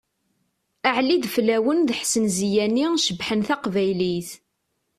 Ɛli Ideflawen d Ḥsen Ziyani cebbḥen taqbaylit!